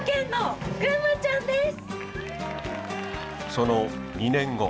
その２年後。